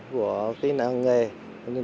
của cái làng nghề